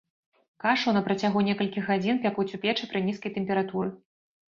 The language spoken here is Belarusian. Кашу на працягу некалькіх гадзін пякуць у печы пры нізкай тэмпературы.